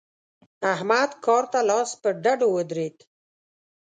احمد کار ته لاس پر ډډو ودرېد.